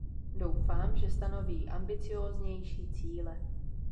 Doufám, že stanoví ambicióznější cíle.